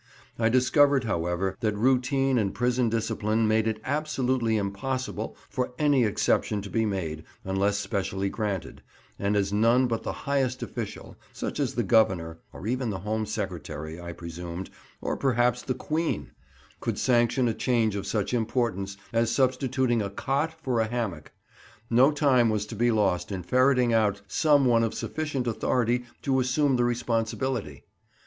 I discovered, however, that routine and prison discipline made it absolutely impossible for any exception to be made unless specially granted, and as none but the highest official, such as the Governor (or even the Home Secretary, as I presumed, or perhaps the Queen), could sanction a change of such importance as substituting a cot for a hammock, no time was to be lost in ferreting out some one of sufficient authority to assume the responsibility.